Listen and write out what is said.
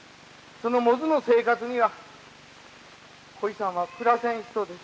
その百舌の生活にはこいさんは暮らせん人です。